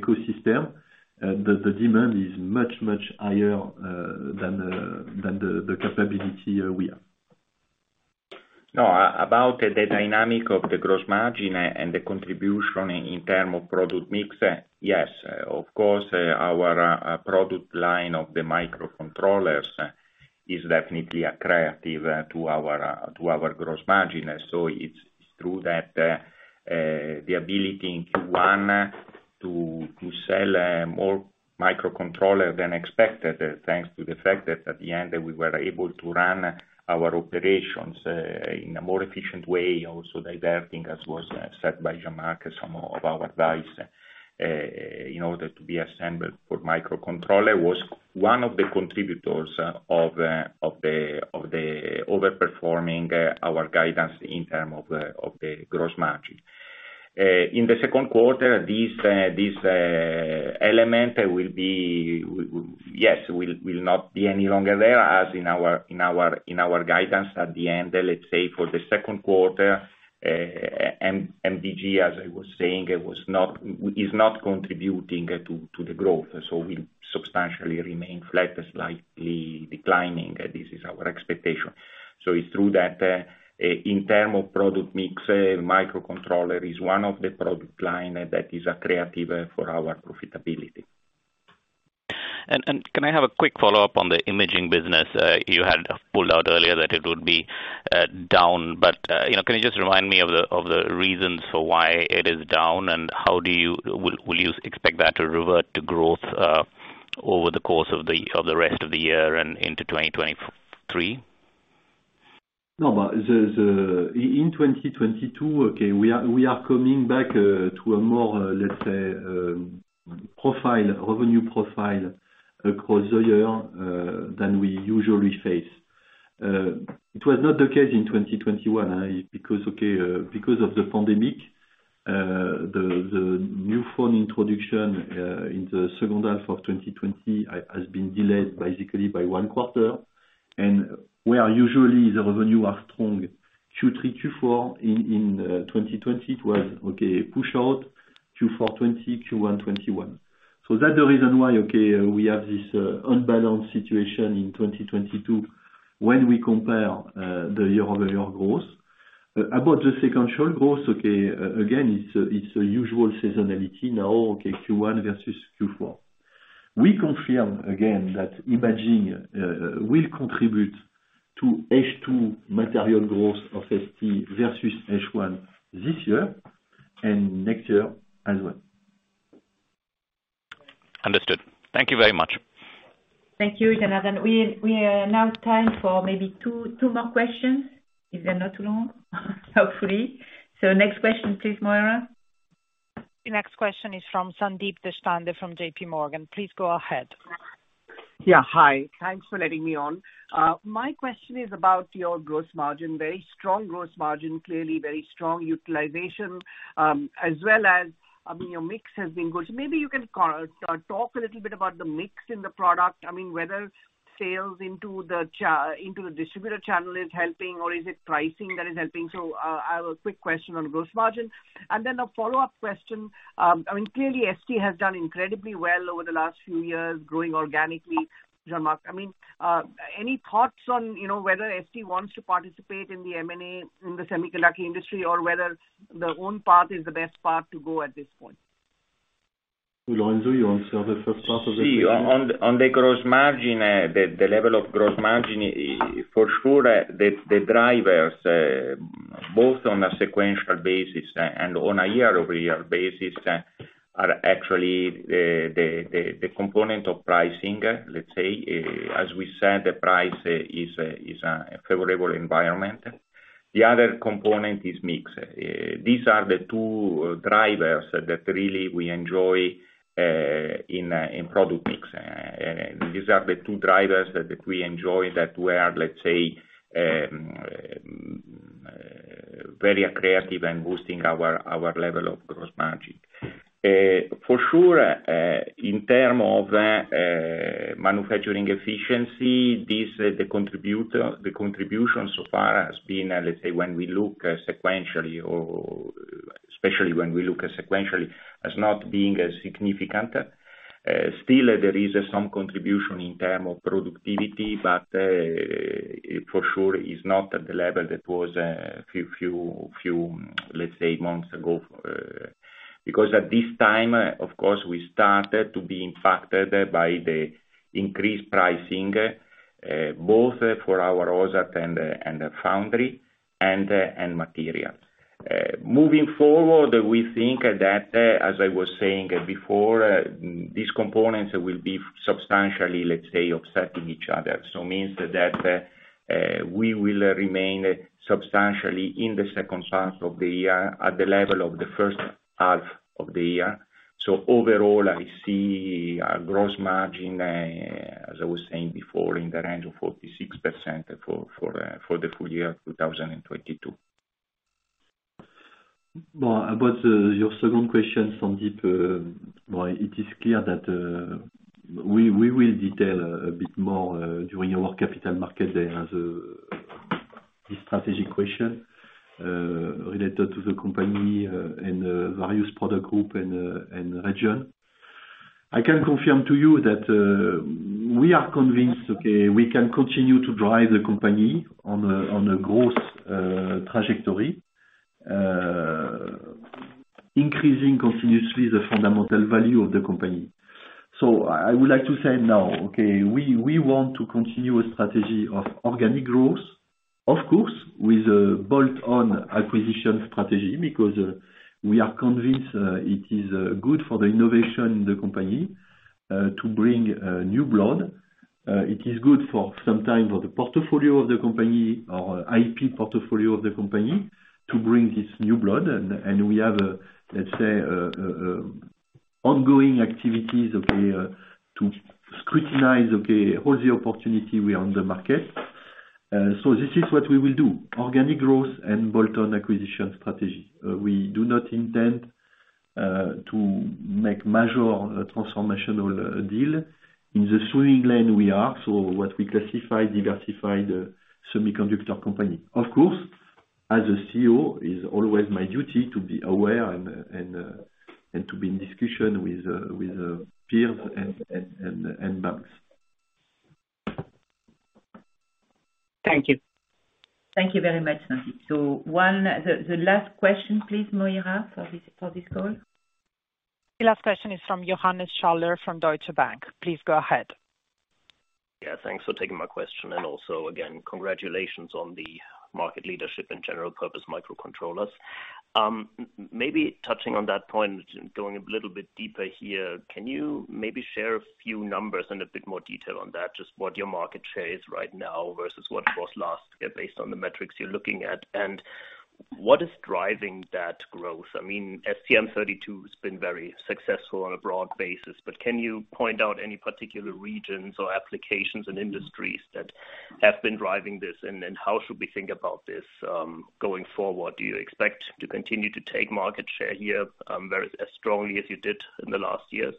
ecosystem, the demand is much higher than the capability we have. About the dynamic of the gross margin and the contribution in terms of product mix, yes, of course, our product line of the microcontrollers is definitely attractive to our gross margin. It's true that the ability in Q1 to sell more microcontrollers than expected, thanks to the fact that at the end, we were able to run our operations in a more efficient way, also diverting, as was said by Jean-Marc, some of our devices in order to be assembled for microcontrollers was one of the contributors of the overperformance of our guidance in terms of the gross margin. In the second quarter, this element will not be any longer there as in our guidance at the end, let's say, for the second quarter, MDG, as I was saying, is not contributing to the growth, so we substantially remain flat, slightly declining. This is our expectation. It's true that in terms of product mix, microcontroller is one of the product line that is attractive for our profitability. Can I have a quick follow-up on the imaging business? You had called out earlier that it would be down, but you know, can you just remind me of the reasons for why it is down, and will you expect that to revert to growth over the course of the rest of the year and into 2023? In 2022, we are coming back to a more, let's say, revenue profile across the year than we usually face. It was not the case in 2021 because of the pandemic, the new phone introduction in the second half of 2020 has been delayed basically by one quarter. Where usually the revenue are strong, Q3, Q4 in 2020 it was push out Q4 2020, Q1 2021. That the reason why we have this unbalanced situation in 2022 when we compare the year-over-year growth. About the sequential growth, again, it's a usual seasonality now, Q1 versus Q4. We confirm again that imaging will contribute to H2 material growth of ST versus H1 this year and next year as well. Understood. Thank you very much. Thank you, Janardan. We have now time for maybe two more questions, if they're not too long, hopefully. Next question please, Moira. The next question is from Sandeep Deshpande from JPMorgan. Please go ahead. Yeah. Hi. Thanks for letting me on. My question is about your gross margin. Very strong gross margin, clearly very strong utilization, as well as, I mean, your mix has been good. Maybe you can sort of talk a little bit about the mix in the product. I mean, whether sales into the distributor channel is helping or is it pricing that is helping? I have a quick question on gross margin. A follow-up question. I mean, clearly ST has done incredibly well over the last few years growing organically, Jean-Marc. I mean, any thoughts on, you know, whether ST wants to participate in the M&A in the semiconductor industry or whether their own path is the best path to go at this point? Lorenzo, you want to answer the first part of the question? On the gross margin, the level of gross margin, for sure, the drivers, both on a sequential basis and on a year-over-year basis, are actually the component of pricing, let's say. As we said, the price is a favorable environment. The other component is mix. These are the two drivers that really we enjoy in product mix. These are the two drivers that we enjoy that we are, let's say, very attractive in boosting our level of gross margin. For sure, in terms of manufacturing efficiency, the contribution so far has been, let's say, when we look sequentially or especially when we look sequentially, as not being as significant. Still there is some contribution in terms of productivity, but for sure is not at the level that was a few months ago, because at this time, of course, we started to be impacted by the increased pricing, both for our OSAT and foundry and materials. Moving forward, we think that, as I was saying before, these components will be substantially, let's say, offsetting each other. Means that we will remain substantially in the second half of the year at the level of the first half of the year. Overall, I see a gross margin, as I was saying before, in the range of 46% for the full-year 2022. About your second question, Sandeep, well it is clear that we will detail a bit more during our Capital Markets Day as a strategic question related to the company and the various product group and region. I can confirm to you that we are convinced, okay, we can continue to drive the company on a growth trajectory increasing continuously the fundamental value of the company. I would like to say now, okay, we want to continue a strategy of organic growth, of course, with a bolt-on acquisition strategy, because we are convinced it is good for the innovation in the company to bring new blood. It is good for some time for the portfolio of the company or IP portfolio of the company to bring this new blood. We have a, let's say, ongoing activities to scrutinize all the opportunities we have on the market. This is what we will do, organic growth and bolt-on acquisition strategy. We do not intend to make major transformational deals. In the swimming lane we are, what we classify as a diversified semiconductor company. Of course, as a CEO, it is always my duty to be aware and to be in discussions with peers and banks. Thank you. Thank you very much, Sandeep. The last question, please, Moira, for this call. The last question is from Johannes Schaller from Deutsche Bank. Please go ahead. Yeah, thanks for taking my question. Also, again, congratulations on the market leadership and general purpose microcontrollers. Maybe touching on that point and going a little bit deeper here, can you maybe share a few numbers and a bit more detail on that, just what your market share is right now versus what it was last year based on the metrics you're looking at? What is driving that growth? I mean, STM32 has been very successful on a broad basis, but can you point out any particular regions or applications and industries that have been driving this? How should we think about this, going forward? Do you expect to continue to take market share here, as strongly as you did in the last years?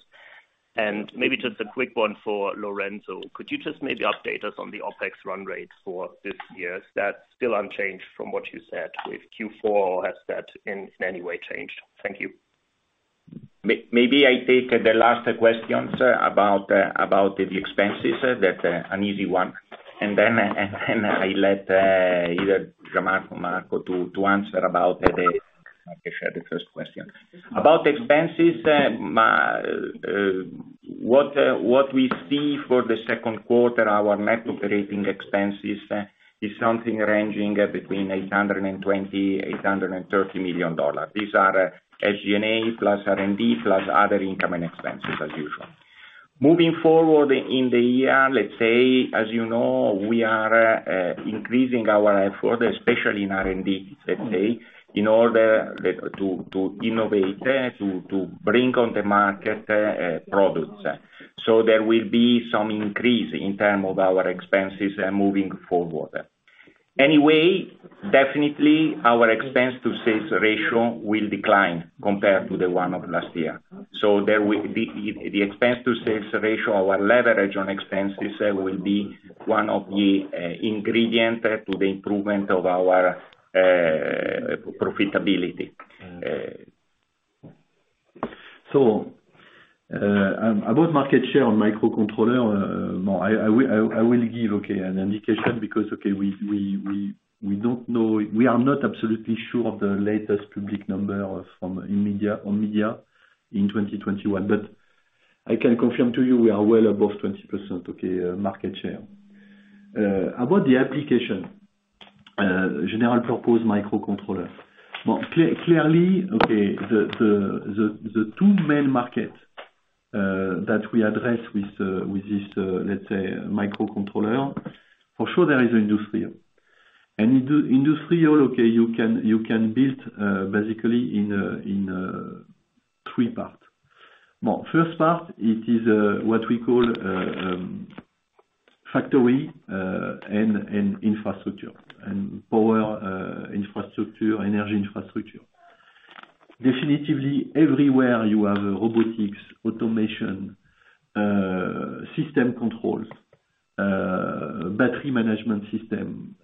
Maybe just a quick one for Lorenzo. Could you just maybe update us on the OpEx run rate for this year? Is that still unchanged from what you said with Q4? Or has that in any way changed? Thank you. Maybe I take the last question, sir, about the expenses. That's an easy one. I let either Jean-Marc or Marco to answer about the market share, the first question. About expenses, what we see for the second quarter, our net operating expenses is something ranging between $820 million-$830 million. These are SG&A plus R&D plus other income and expenses as usual. Moving forward in the year, let's say, as you know, we are increasing our effort, especially in R&D, let's say, in order, like, to innovate, to bring on the market products. There will be some increase in terms of our expenses moving forward. Anyway, definitely our expense to sales ratio will decline compared to the one of last year. The expense to sales ratio, our leverage on expenses will be one of the ingredient to the improvement of our profitability. About market share on microcontroller, I will give an indication because we don't know, we are not absolutely sure of the latest public number from Omdia in 2021. But I can confirm to you we are well above 20%, okay, market share. About the application, general purpose microcontroller. Well, clearly, the two main markets that we address with this, let's say, microcontroller, for sure there is industrial. Industrial, okay, you can build basically in three parts. Well, first part it is what we call factory and infrastructure and power infrastructure, energy infrastructure. Definitely everywhere you have robotics, automation, system controls, battery management system,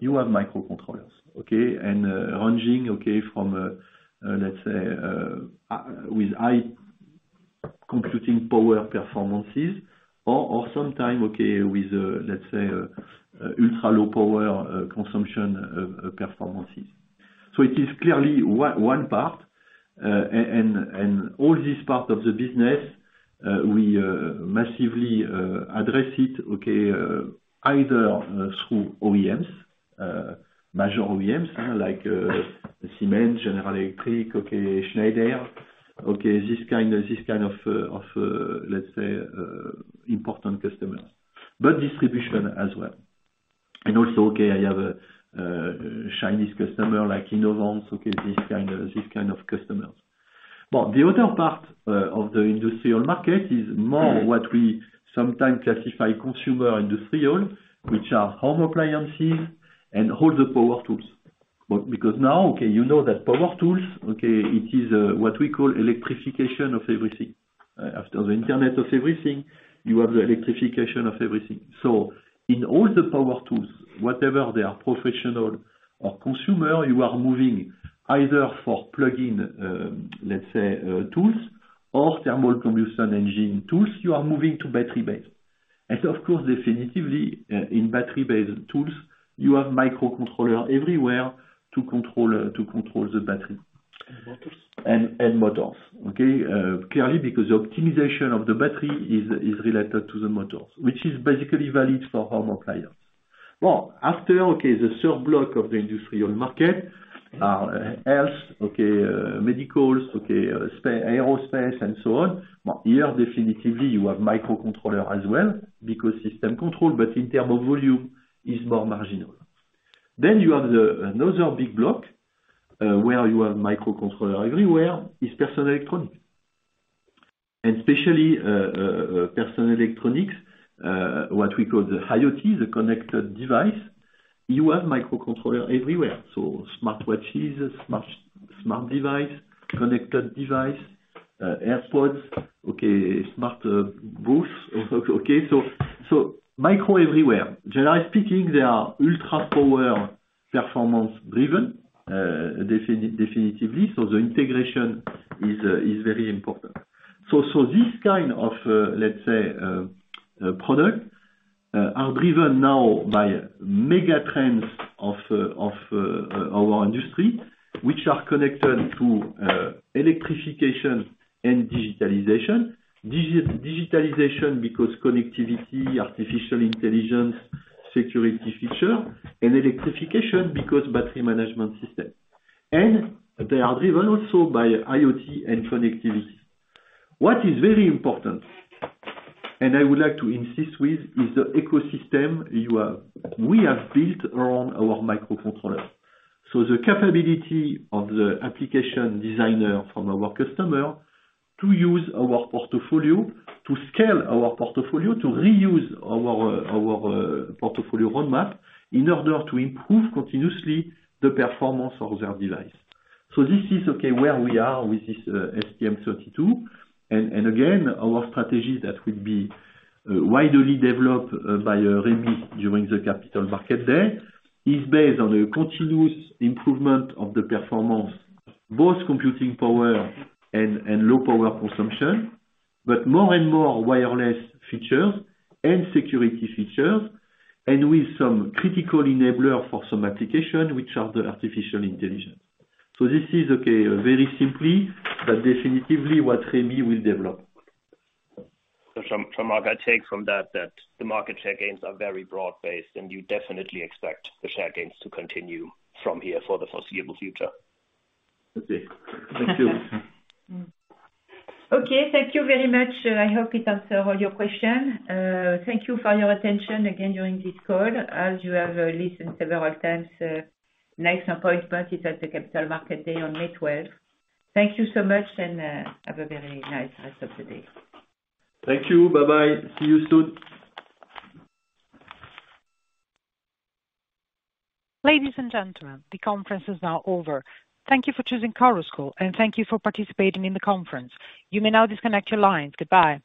you have microcontrollers, okay? Ranging okay from let's say with high computing power performances or sometimes okay with let's say ultra-low power consumption performances. It is clearly one part. All this part of the business we massively address it okay either through OEMs major OEMs like Siemens, General Electric, Schneider. Okay this kind of important customers. Distribution as well. Also okay I have a Chinese customer like Inovance okay this kind of customers. The other part of the industrial market is more what we sometimes classify consumer industrial which are home appliances and all the power tools. Because now okay you know that power tools okay it is what we call electrification of everything. After the internet of everything, you have the electrification of everything. In all the power tools, whatever they are professional or consumer, you are moving either for plug-in, let's say, tools or internal combustion engine tools, you are moving to battery-based. Of course, definitively, in battery-based tools, you have microcontroller everywhere to control the battery and motors. Clearly, because the optimization of the battery is related to the motors, which is basically valid for home appliance. The third block of the industrial market are health, medical, aerospace and so on. But here, definitively, you have microcontroller as well because system control, but in terms of volume is more marginal. Then you have another big block where you have microcontroller everywhere is personal electronics. Especially, personal electronics, what we call the IoT, the connected device. You have microcontroller everywhere. Smart watches, smart device, connected device, AirPods, smart brush. Micro everywhere. Generally speaking, they are ultra power performance driven, definitively. The integration is very important. This kind of, let's say, product are driven now by mega trends of our industry, which are connected to electrification and digitalization. Digitalization, because connectivity, artificial intelligence, security feature, and electrification because battery management system. They are driven also by IoT and connectivity. What is very important, and I would like to insist with, is the ecosystem we have built around our microcontroller. The capability of the application designer from our customer to use our portfolio, to scale our portfolio, to reuse our portfolio roadmap in order to improve continuously the performance of their device. This is, okay, where we are with this STM32. Again, our strategy that will be widely developed by Remi during the Capital Markets Day is based on a continuous improvement of the performance, both computing power and low power consumption. More and more wireless features and security features, and with some critical enabler for some application, which are the artificial intelligence. This is very simply, but definitively what Remi will develop. From what I take from that, the market share gains are very broad-based, and you definitely expect the share gains to continue from here for the foreseeable future. That's it. Thank you. Okay, thank you very much. I hope it answered all your question. Thank you for your attention again during this call. As you have listened several times, next appointment is at the Capital Markets Day on May 12th. Thank you so much, and have a very nice rest of the day. Thank you. Bye-bye. See you soon. Ladies and gentlemen, the conference is now over. Thank you for choosing Chorus Call, and thank you for participating in the conference. You may now disconnect your lines. Goodbye.